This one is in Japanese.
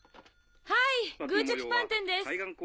はいグーチョキパン店です。